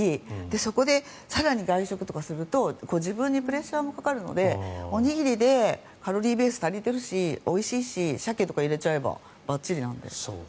そこで更に外食とかすると自分にプレッシャーもかかるのにおにぎりでカロリーベース足りてるしおいしいし、鮭とか入れちゃえばばっちりなんで。